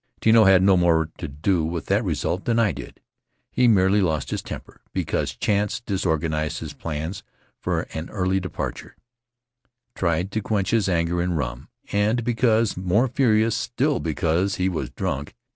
Tino had no more to do with that result than I did. He merely lost his temper because chance disorganized his plans for an early departure; tried to quench his anger in rum, and became more furious still because he was drunk.